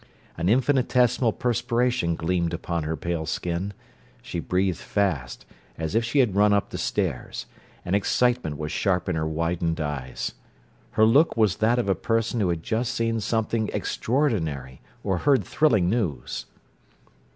An infinitesimal perspiration gleamed upon her pale skin; she breathed fast, as if she had run up the stairs; and excitement was sharp in her widened eyes. Her look was that of a person who had just seen something extraordinary or heard thrilling news.